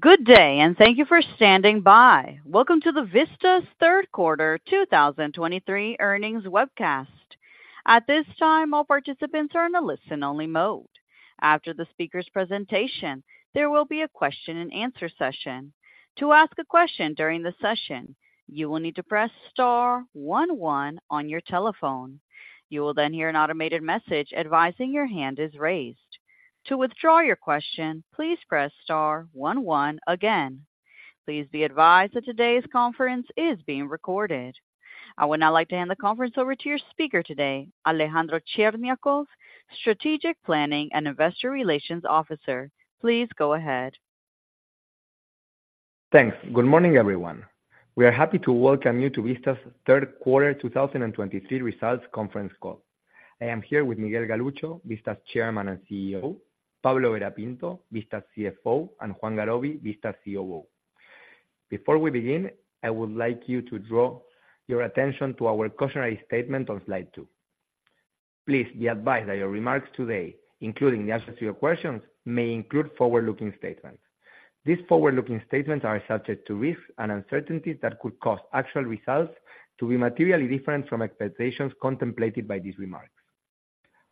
Good day, and thank you for standing by. Welcome to Vista's Q3 2023 earnings webcast. At this time, all participants are in a listen-only mode. After the speaker's presentation, there will be a question and answer session. To ask a question during the session, you will need to press star one one on your telephone. You will then hear an automated message advising your hand is raised. To withdraw your question, please press star one one again. Please be advised that today's conference is being recorded. I would now like to hand the conference over to your speaker today, Alejandro Cherñacov, Strategic Planning and Investor Relations Officer. Please go ahead. Thanks. Good morning, everyone. We are happy to welcome you to Vista's Q3 2023 results conference call. I am here with Miguel Galuccio, Vista's Chairman and CEO, Pablo Vera Pinto, Vista's CFO, and Juan Garoby, Vista's COO. Before we begin, I would like you to draw your attention to our cautionary statement on slide two. Please be advised that your remarks today, including the answers to your questions, may include forward-looking statements. These forward-looking statements are subject to risks and uncertainties that could cause actual results to be materially different from expectations contemplated by these remarks.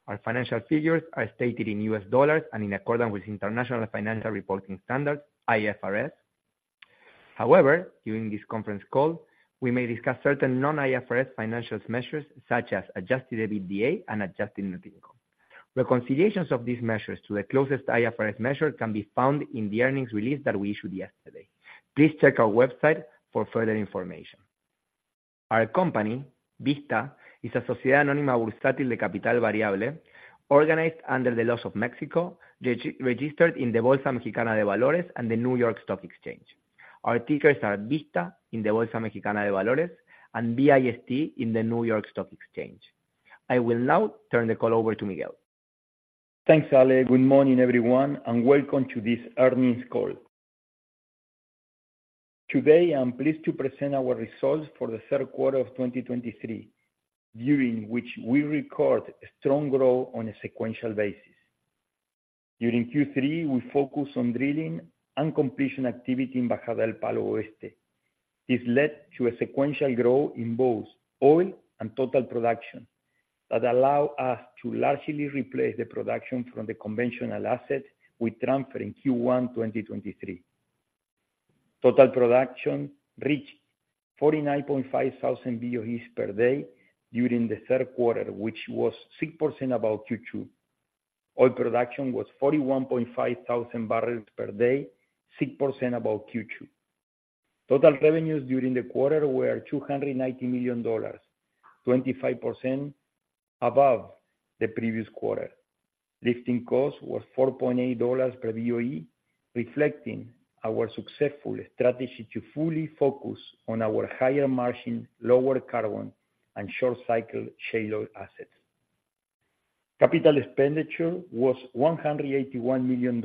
Our financial figures are stated in U.S. dollars and in accordance with International Financial Reporting Standards (IFRS). However, during this conference call, we may discuss certain non-IFRS financial measures, such as Adjusted EBITDA and Adjusted Net Income. Reconciliations of these measures to the closest IFRS measure can be found in the earnings release that we issued yesterday. Please check our website for further information. Our company, Vista, is a sociedad anónima de capital variable, organized under the laws of Mexico, registered in the Bolsa Mexicana de Valores and the New York Stock Exchange. Our tickers are Vista in the Bolsa Mexicana de Valores and VIST in the New York Stock Exchange. I will now turn the call over to Miguel. Thanks, Ale. Good morning, everyone, and welcome to this earnings call. Today, I'm pleased to present our results for the Q3 of 2023, during which we record a strong growth on a sequential basis. During Q3, we focused on drilling and completion activity in Bajada del Palo Este. This led to a sequential growth in both oil and total production that allow us to largely replace the production from the conventional asset we transferred in Q1 2023. Total production reached 49,500 BOEs per day during the Q3, which was 6% above Q2. Oil production was 41,500 barrels per day, 6% above Q2. Total revenues during the quarter were $290 million, 25% above the previous quarter. Lifting costs were $4.8 per BOE, reflecting our successful strategy to fully focus on our higher margin, lower carbon, and short-cycle shallow assets. Capital expenditure was $181 million,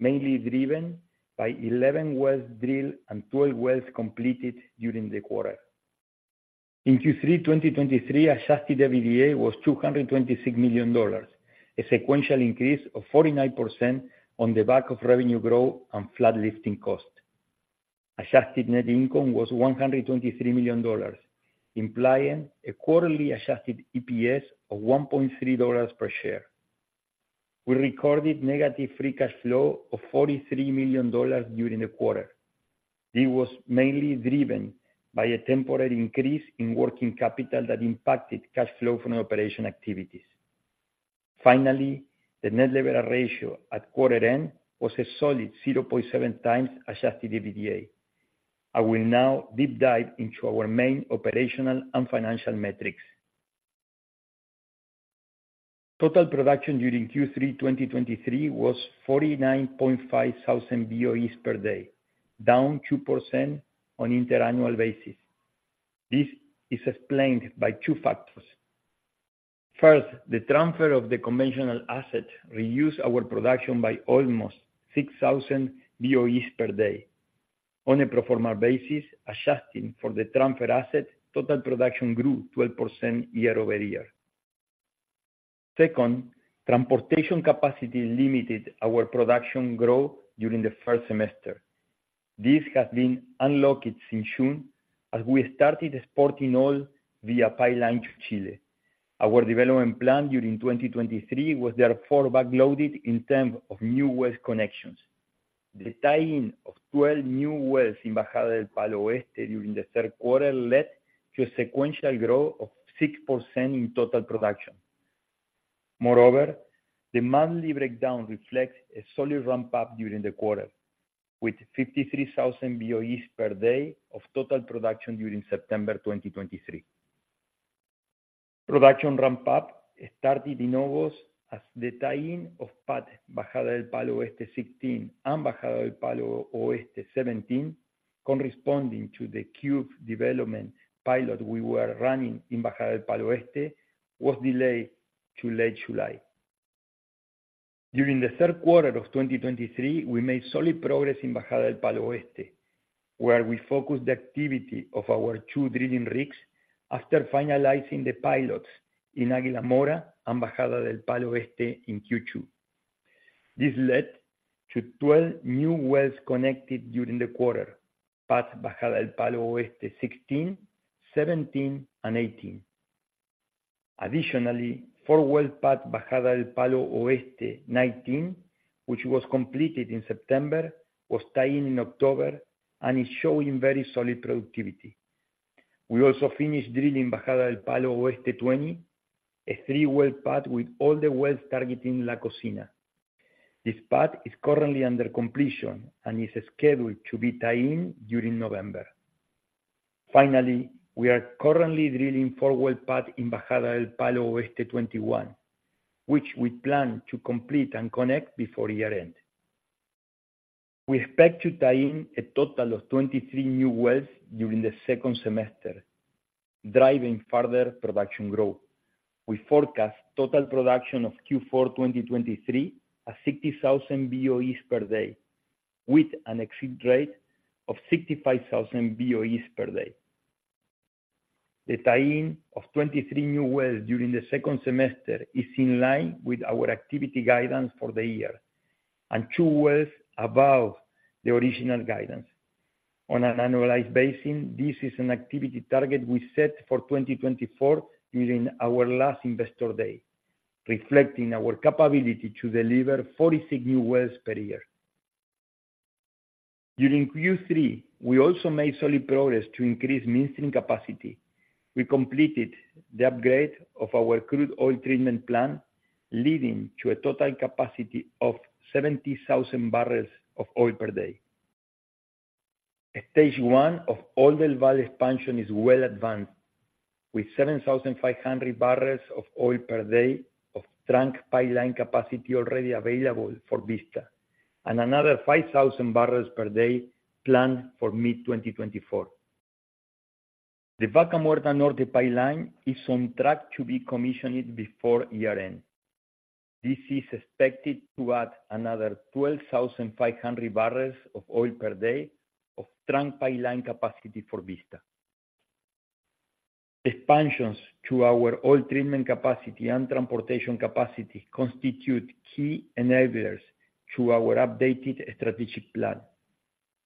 mainly driven by 11 wells drilled and 12 wells completed during the quarter. In Q3 2023, adjusted EBITDA was $226 million, a sequential increase of 49% on the back of revenue growth and flat lifting costs. Adjusted net income was $123 million, implying a quarterly adjusted EPS of $1.3 per share. We recorded negative free cash flow of $43 million during the quarter. This was mainly driven by a temporary increase in working capital that impacted cash flow from operation activities. Finally, the net leverage ratio at quarter end was a solid 0.7 times adjusted EBITDA. I will now deep dive into our main operational and financial metrics. Total production during Q3 2023 was 49,500 BOEs per day, down 2% on interannual basis. This is explained by two factors: First, the transfer of the conventional asset reduced our production by almost 6,000 BOEs per day. On a pro forma basis, adjusting for the transferred asset, total production grew 12% year-over-year. Second, transportation capacity limited our production growth during the first semester. This has been unlocked since June, as we started exporting oil via pipeline to Chile. Our development plan during 2023 was therefore backloaded in terms of new wells connections. The tie-in of 12 new wells in Bajada del Palo Este during the Q3 led to a sequential growth of 6% in total production. Moreover, the monthly breakdown reflects a solid ramp-up during the quarter, with 53,000 BOEs per day of total production during September 2023. Production ramp-up started in August as the tie-in of Pad Bajada del Palo Este 16 and Bajada del Palo Este 17, corresponding to the Cube Development pilot we were running in Bajada del Palo Este, was delayed to late July. During the Q3 of 2023, we made solid progress in Bajada del Palo Este, where we focus the activity of our two drilling rigs after finalizing the pilots in Aguila Mora and Bajada del Palo Este in Q2. This led to 12 new wells connected during the quarter, Pad Bajada del Palo Este 16, 17, and 18. Additionally, 4-well pad Bajada del Palo Oeste 19, which was completed in September, was tied in in October and is showing very solid productivity. We also finished drilling Bajada del Palo Oeste 20, a 3-well pad with all the wells targeting La Cocina. This pad is currently under completion and is scheduled to be tied in during November. Finally, we are currently drilling 4-well pad in Bajada del Palo Oeste 21, which we plan to complete and connect before year-end. We expect to tie in a total of 23 new wells during the second semester, driving further production growth. We forecast total production of Q4 2023 at 60,000 BOEs per day, with an exit rate of 65,000 BOEs per day. The tie-in of 23 new wells during the second semester is in line with our activity guidance for the year, and 2 wells above the original guidance. On an annualized basis, this is an activity target we set for 2024 during our last Investor Day, reflecting our capability to deliver 46 new wells per year. During Q3, we also made solid progress to increase midstream capacity. We completed the upgrade of our crude oil treatment plant, leading to a total capacity of 70,000 barrels of oil per day. Stage one of Oldelval expansion is well advanced, with 7,500 barrels of oil per day of trunk pipeline capacity already available for Vista, and another 5,000 barrels per day planned for mid-2024. The Vaca Muerta pipeline is on track to be commissioned before year-end. This is expected to add another 12,500 barrels of oil per day of trunk pipeline capacity for Vista. Expansions to our oil treatment capacity and transportation capacity constitute key enablers to our updated strategic plan,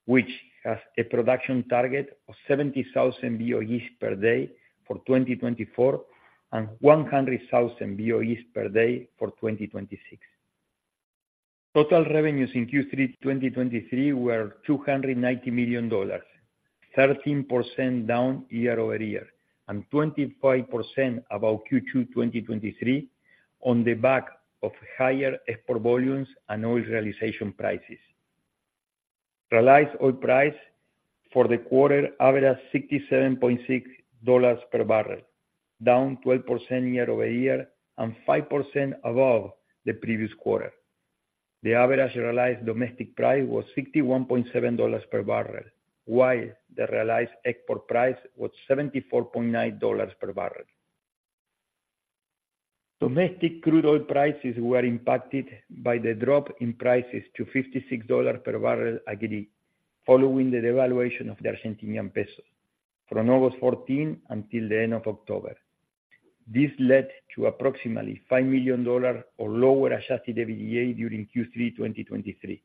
which has a production target of 70,000 BOEs per day for 2024, and 100,000 BOEs per day for 2026. Total revenues in Q3 2023 were $290 million, 13% down year-over-year, and 25% above Q2 2023, on the back of higher export volumes and oil realization prices. Realized oil price for the quarter averaged $67.6 per barrel, down 12% year-over-year, and 5% above the previous quarter. The average realized domestic price was $61.7 per barrel, while the realized export price was $74.9 per barrel. Domestic crude oil prices were impacted by the drop in prices to $56 per barrel again, following the devaluation of the Argentine peso from August 14 until the end of October. This led to approximately $5 million or lower Adjusted EBITDA during Q3 2023.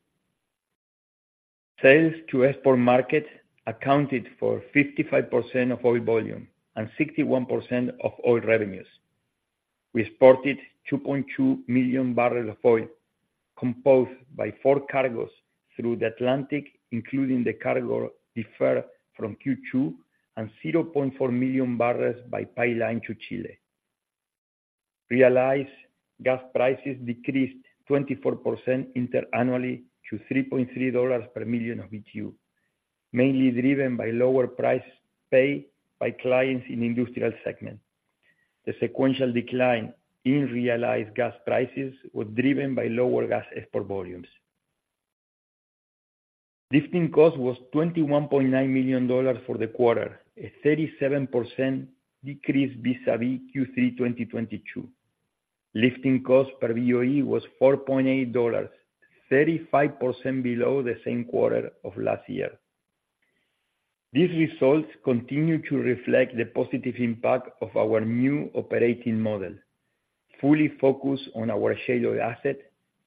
Sales to export market accounted for 55% of oil volume and 61% of oil revenues. We exported 2.2 million barrels of oil, composed by 4 cargos through the Atlantic, including the cargo deferred from Q2, and 0.4 million barrels by pipeline to Chile. Realized gas prices decreased 24% inter-annually to $3.3 per million BTU, mainly driven by lower price paid by clients in industrial segment. The sequential decline in realized gas prices was driven by lower gas export volumes. Lifting cost was $21.9 million for the quarter, a 37% decrease vis-à-vis Q3 2022. Lifting cost per BOE was $4.8, 35% below the same quarter of last year. These results continue to reflect the positive impact of our new operating model, fully focused on our shale asset,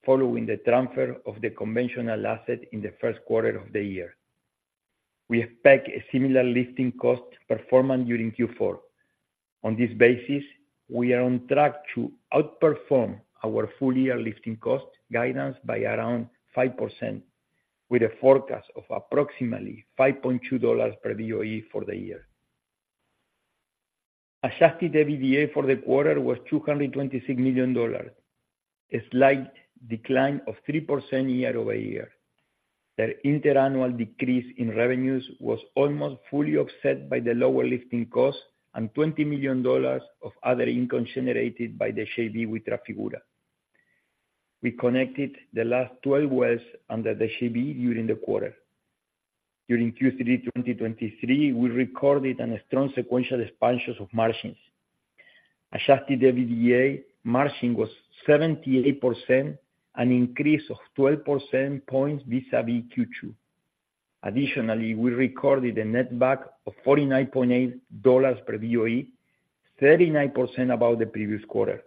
following the transfer of the conventional asset in the Q1 of the year. We expect a similar lifting cost performance during Q4. On this basis, we are on track to outperform our full-year lifting cost guidance by around 5%, with a forecast of approximately $5.2 per BOE for the year. Adjusted EBITDA for the quarter was $226 million, a slight decline of 3% year-over-year. The inter-annual decrease in revenues was almost fully offset by the lower lifting costs and $20 million of other income generated by the JV with Trafigura. We connected the last 12 wells under the JV during the quarter. During Q3 2023, we recorded a strong sequential expansion of margins. Adjusted EBITDA margin was 78%, an increase of 12 percentage points vis-à-vis Q2. Additionally, we recorded a netback of $49.8 per BOE, 39% above the previous quarter.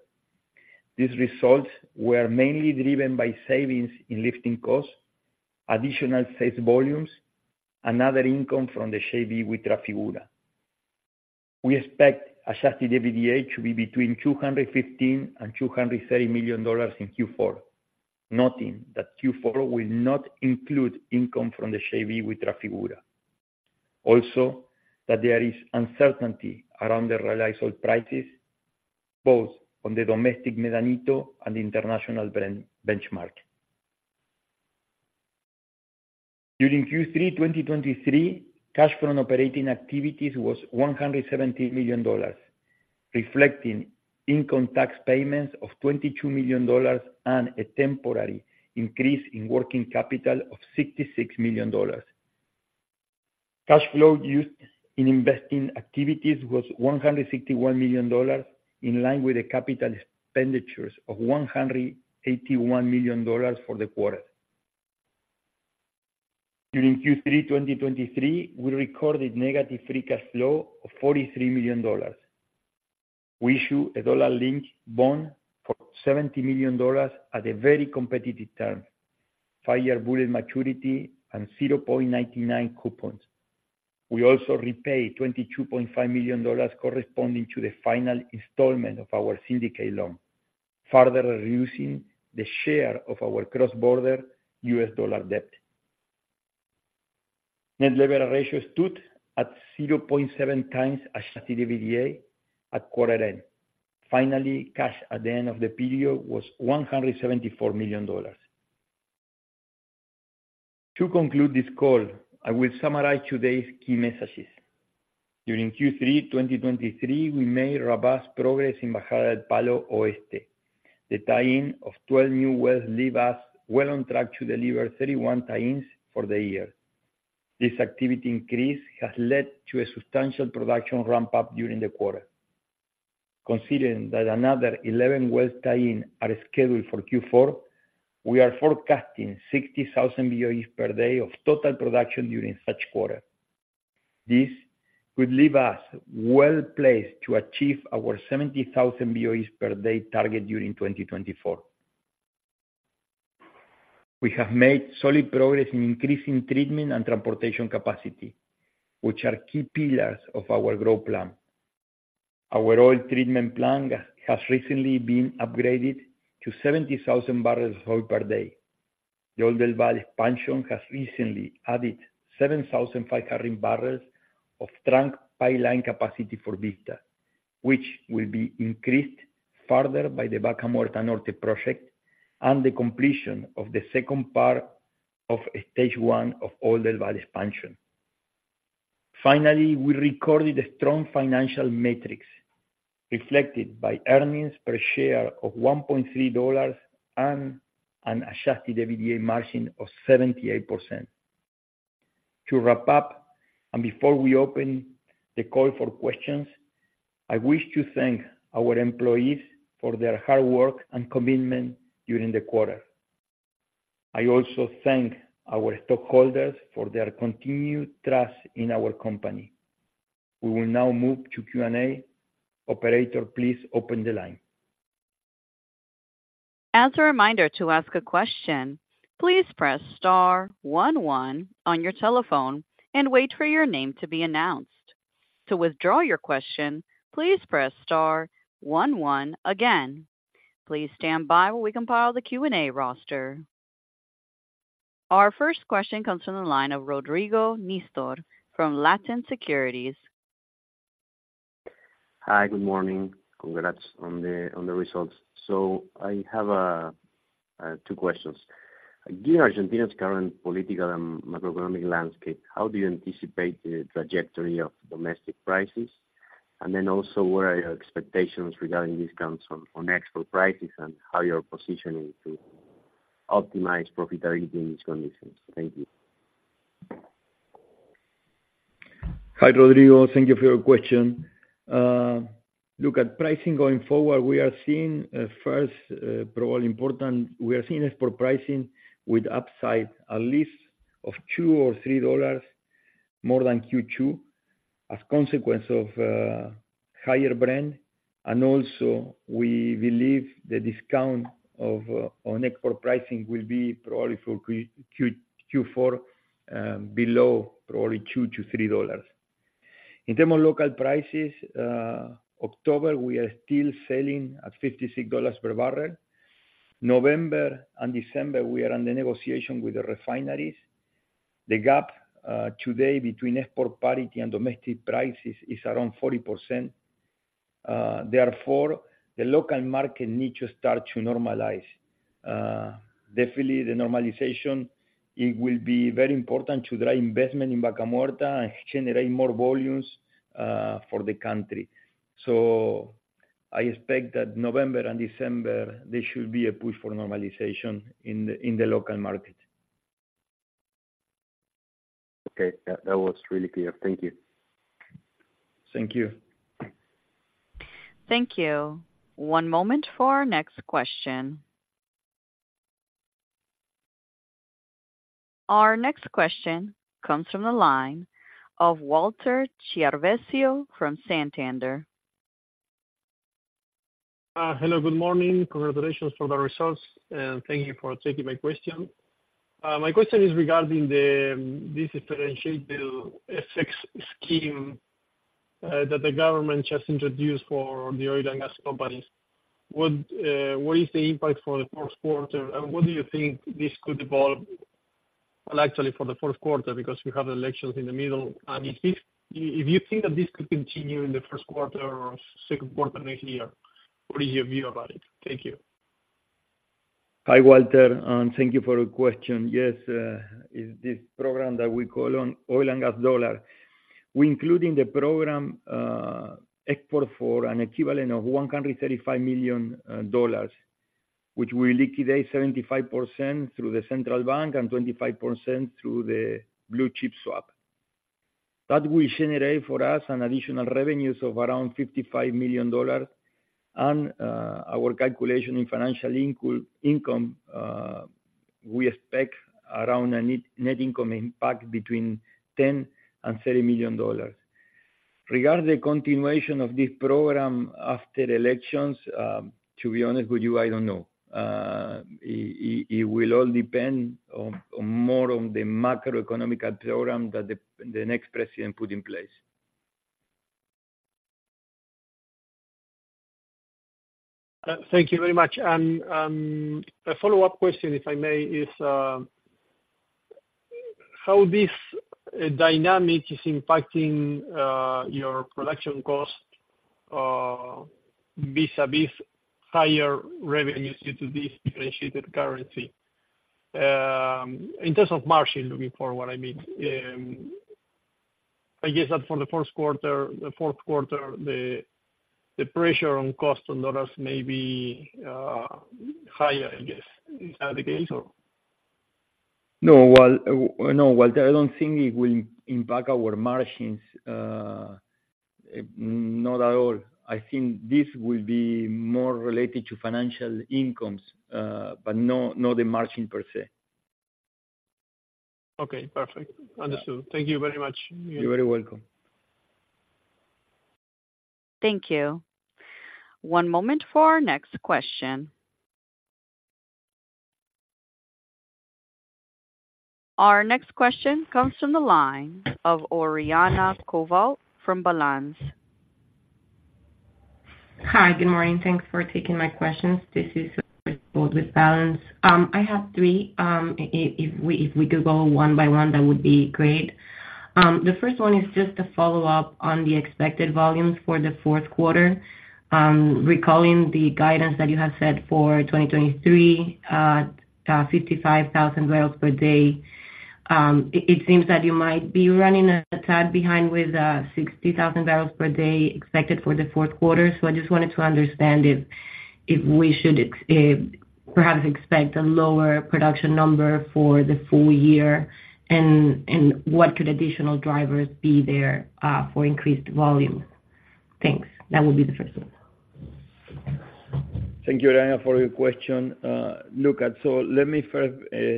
These results were mainly driven by savings in lifting costs, additional sales volumes, and other income from the JV with Trafigura. We expect Adjusted EBITDA to be between $215 million and $230 million in Q4, noting that Q4 will not include income from the JV with Trafigura. Also, that there is uncertainty around the realized oil prices, both on the domestic Medanito and international Brent benchmark. During Q3 2023, cash from operating activities was $117 million, reflecting income tax payments of $22 million and a temporary increase in working capital of $66 million. Cash flow used in investing activities was $161 million, in line with the capital expenditures of $181 million for the quarter. During Q3 2023, we recorded negative free cash flow of $43 million. We issue a dollar-linked bond for $70 million at a very competitive term, five-year bullet maturity and 0.99% coupons. We also repaid $22.5 million corresponding to the final installment of our syndicate loan, further reducing the share of our cross-border U.S. dollar debt. Net leverage ratio stood at 0.7 times Adjusted EBITDA at quarter end. Finally, cash at the end of the period was $174 million. To conclude this call, I will summarize today's key messages. During Q3 2023, we made robust progress in Bajada del Palo Oeste. The tie-in of 12 new wells leave us well on track to deliver 31 tie-ins for the year. This activity increase has led to a substantial production ramp-up during the quarter. Considering that another 11 wells tie-in are scheduled for Q4, we are forecasting 60,000 BOEs per day of total production during such quarter. This could leave us well placed to achieve our 70,000 BOEs per day target during 2024. We have made solid progress in increasing treatment and transportation capacity, which are key pillars of our growth plan. Our oil treatment plant has recently been upgraded to 70,000 barrels of oil per day. The Oldelval expansion has recently added 7,500 barrels of trunk pipeline capacity for Vista, which will be increased further by the Vaca Muerta Norte project and the completion of the second part of stage one of Oldelval expansion. Finally, we recorded strong financial metrics reflected by earnings per share of $1.3 and an adjusted EBITDA margin of 78%. To wrap up, and before we open the call for questions, I wish to thank our employees for their hard work and commitment during the quarter. I also thank our stockholders for their continued trust in our company. We will now move to Q&A. Operator, please open the line. As a reminder, to ask a question, please press star one one on your telephone and wait for your name to be announced. To withdraw your question, please press star one one again. Please stand by while we compile the Q&A roster. Our first question comes from the line of Rodrigo Nistor from Latin Securities. Hi, good morning. Congrats on the results. I have two questions. Given Argentina's current political and macroeconomic landscape, how do you anticipate the trajectory of domestic prices? And then also, what are your expectations regarding discounts on export prices, and how you're positioning to optimize profitability in these conditions? Thank you. Hi, Rodrigo. Thank you for your question. Look, at pricing going forward, we are seeing, first, probably important, we are seeing export pricing with upside at least of $2 or $3 more than Q2, as consequence of, higher Brent. And also, we believe the discount of, on export pricing will be probably for Q4, below probably $2-$3. In terms of local prices, October, we are still selling at $56 per barrel. November and December, we are under negotiation with the refineries. The gap, today between export parity and domestic prices is around 40%. Therefore, the local market need to start to normalize. Definitely the normalization, it will be very important to drive investment in Vaca Muerta and generate more volumes, for the country. I expect that November and December, there should be a push for normalization in the local market.... Okay, yeah, that was really clear. Thank you. Thank you. Thank you. One moment for our next question. Our next question comes from the line of Walter Chiarvesio from Santander. Hello, good morning. Congratulations for the results, and thank you for taking my question. My question is regarding the, this differentiated FX scheme that the government just introduced for the oil and gas companies. What, what is the impact for the Q4, and what do you think this could evolve? Well, actually, for the Q4, because we have the elections in the middle. And if you think that this could continue in the Q1 or Q2 next year, what is your view about it? Thank you. Hi, Walter, and thank you for your question. Yes, this is the program that we call the oil and gas dollar. In the program, we export an equivalent of $135 million, which we liquidate 75% through the central bank and 25% through the Blue Chip Swap. That will generate for us additional revenues of around $55 million and, our calculation in financial income, we expect around a net income impact between $10 million and $30 million. Regarding the continuation of this program after the elections, to be honest with you, I don't know. It will all depend more on the macroeconomic program that the next president put in place. Thank you very much. And, a follow-up question, if I may, is, how this dynamic is impacting, your production cost, vis-a-vis higher revenues due to this differentiated currency? In terms of margin looking forward, I mean, I guess that for the Q1, the Q4, the, the pressure on cost on dollars may be, higher, I guess. Is that the case, or? No, Walter, I don't think it will impact our margins, not at all. I think this will be more related to financial incomes, but no, not the margin per se. Okay, perfect. Understood. Thank you very much. You're very welcome. Thank you. One moment for our next question. Our next question comes from the line of Oriana Koval from Balanz. Hi, good morning. Thanks for taking my questions. This is Oriana Koval with Balanz. I have three. If we could go one by one, that would be great. The first one is just a follow-up on the expected volumes for the Q4. Recalling the guidance that you have set for 2023, 55,000 barrels per day, it seems that you might be running a tad behind with 60,000 barrels per day expected for the Q4. So I just wanted to understand if we should expect a lower production number for the full year, and what could additional drivers be there for increased volume? Thanks. That would be the first one. Thank you, Oriana, for your question. So let me first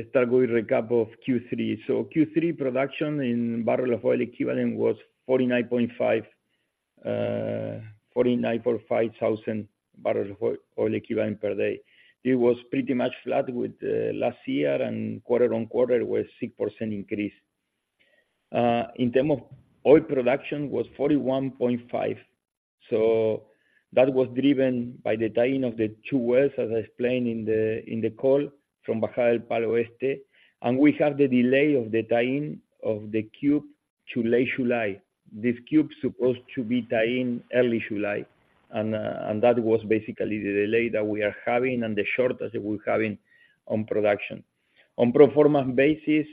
start with a recap of Q3. So Q3 production in barrels of oil equivalent was 49.5 thousand barrels of oil equivalent per day. It was pretty much flat with last year, and quarter-on-quarter was 6% increase. In terms of oil production was 41.5. So that was driven by the tie-in of the two wells, as I explained in the call from Bajada del Palo Este, and we have the delay of the tie-in of the cube to late July. This cube supposed to be tie-in early July, and that was basically the delay that we are having and the shortage that we're having on production. On pro forma basis,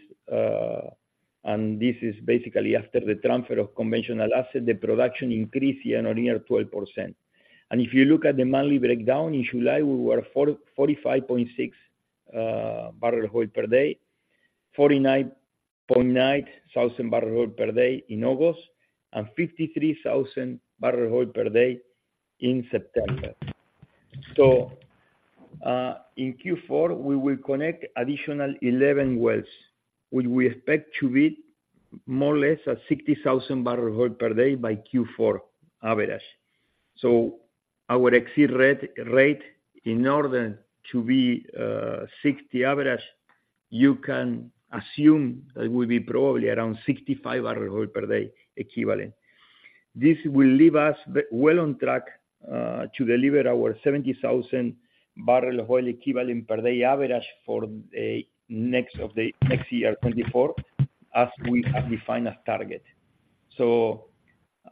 and this is basically after the transfer of conventional asset, the production increased year-on-year 12%. And if you look at the monthly breakdown, in July, we were 44.5 thousand barrels of oil per day, 49.9 thousand barrels of oil per day in August, and 53 thousand barrels of oil per day in September. So, in Q4, we will connect additional 11 wells, which we expect to be more or less at 60 thousand barrels of oil per day by Q4 average. So our exit rate in order to be 60 average, you can assume it will be probably around 65 thousand barrels of oil equivalent per day. This will leave us well on track to deliver our 70,000 barrel of oil equivalent per day average for the next year, 2024, as we have defined as target. So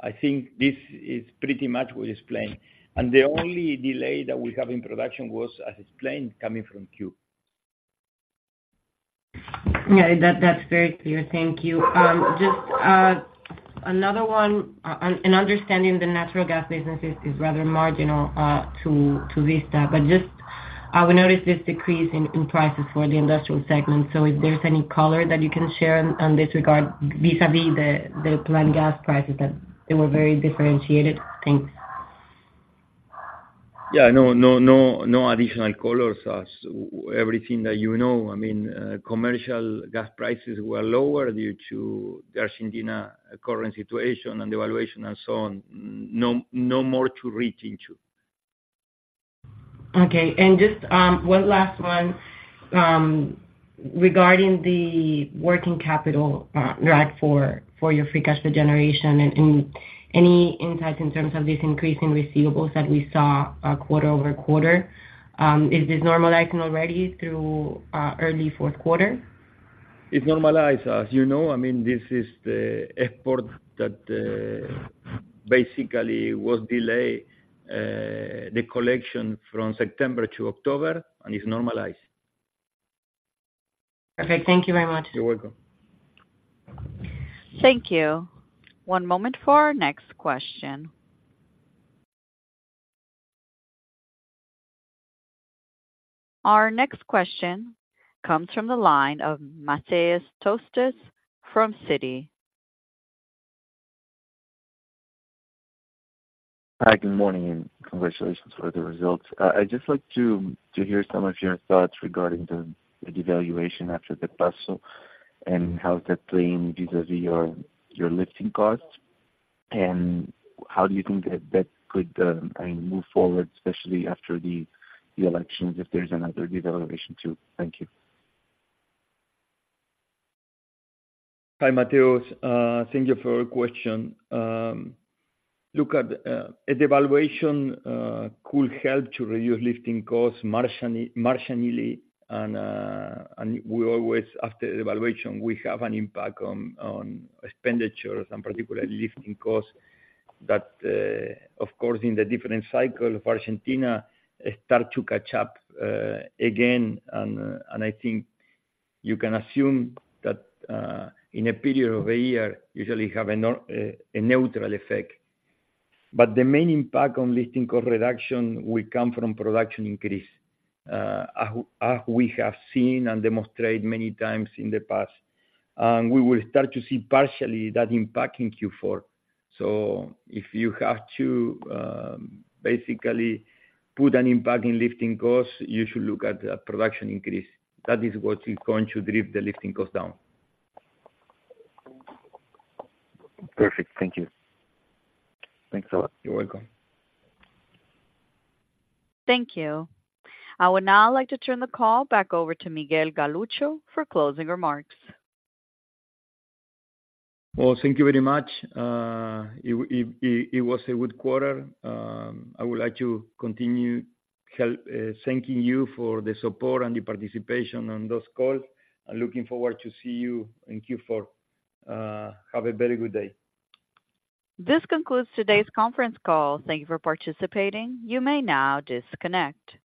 I think this is pretty much what is playing. The only delay that we have in production was, as explained, coming from cube. Yeah, that's very clear. Thank you. Another one, and understanding the natural gas business is rather marginal to Vista, but I would notice this decrease in prices for the industrial segment. So if there's any color that you can share on this regard, vis-a-vis the planned gas prices, that they were very differentiated? Thanks. Yeah. No, no, no, no additional colors as everything that you know. I mean, commercial gas prices were lower due to the Argentina current situation and devaluation and so on. No, no more to read into. Okay. Just one last one. Regarding the working capital drag on your free cash flow generation, and any insights in terms of this increase in receivables that we saw quarter-over-quarter? Is this normalizing already through early Q4? It's normalized, as you know. I mean, this is the export that basically was delayed, the collection from September to October and is normalized. Perfect. Thank you very much. You're welcome. Thank you. One moment for our next question. Our next question comes from the line of Matheus Tostes from Citi. Hi, good morning, and congratulations for the results. I'd just like to hear some of your thoughts regarding the devaluation after the peso and how is that playing vis-a-vis your lifting costs. And how do you think that could, I mean, move forward, especially after the elections, if there's another devaluation, too? Thank you. Hi, Matheus. Thank you for your question. Look at, a devaluation could help to reduce lifting costs marginally. And, and we always, after the devaluation, we have an impact on, on expenditures and particularly lifting costs. But, of course, in the different cycle of Argentina, it start to catch up, again. And, and I think you can assume that, in a period of a year, usually have a neutral effect. But the main impact on lifting cost reduction will come from production increase, as we have seen and demonstrated many times in the past. And we will start to see partially that impact in Q4. So if you have to, basically put an impact in lifting costs, you should look at the production increase. That is what is going to drive the lifting costs down. Perfect. Thank you. Thanks a lot. You're welcome. Thank you. I would now like to turn the call back over to Miguel Galuccio for closing remarks. Well, thank you very much. It was a good quarter. I would like to continue thanking you for the support and the participation on this call, and looking forward to see you in Q4. Have a very good day. This concludes today's conference call. Thank you for participating. You may now disconnect.